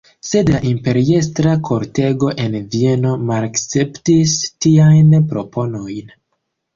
Sed la imperiestra kortego en Vieno malakceptis tiajn proponojn.